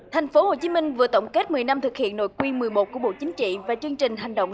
thành phố hồ chí minh vừa tổng kết một mươi năm thực hiện nội quy một mươi một của bộ chính trị và chương trình hành động số một